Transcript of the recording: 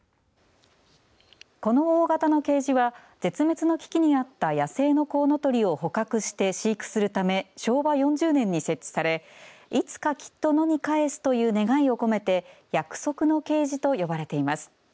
この大型のケージは絶滅の危機にあった野生のコウノトリを捕獲して飼育するため昭和４０年に設置されいつかきっと野に帰すという願いを込めて約束のケージと呼ばれています。